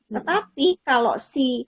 tetapi kalau si